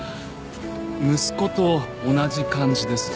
息子と同じ漢字です。